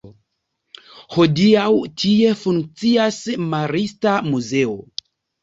Hodiaŭ tie funkcias marista muzeo.